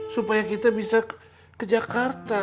supaya kita bisa ke jakarta